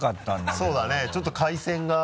そうだねちょっと回線が。